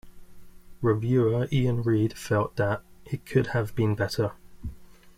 Reviewer Ian Reed felt that "it could have been better".